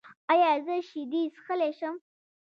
ایا زه شیدې څښلی شم؟